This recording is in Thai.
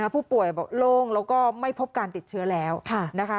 ผู้ป่วยโล่งแล้วก็ไม่พบการติดเชื้อแล้วนะคะ